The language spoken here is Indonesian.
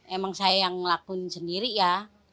emang saya yang ngelakuin sendiri ya